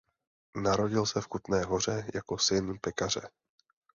Narodil se v Kutné Hoře jako syn pekaře.